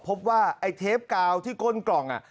พบว่าไอ้เทปกาวที่ก้นกล่อง